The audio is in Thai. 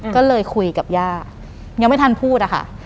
ก็เลยคุยกับย่ายังไม่ทันพูดอะค่ะ